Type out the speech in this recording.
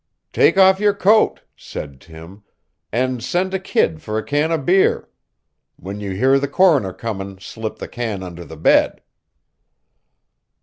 "Take off your coat," said Tim, "and send a kid for a can of beer. When you hear the Coroner comin' slip the can under the bed."